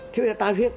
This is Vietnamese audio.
thế bây giờ ta biết